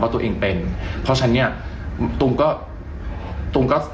ตัวเองเป็นเพราะฉะนั้นเนี่ยตูมก็ตูมก็